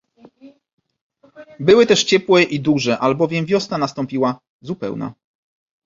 "Były też ciepłe i duże, albowiem wiosna nastąpiła zupełna."